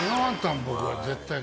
僕は絶対に。